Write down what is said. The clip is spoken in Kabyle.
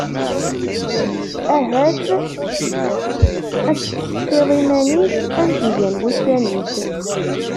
Ahat ad tseqsiḍ iman-ik: Amek gan wussan-is.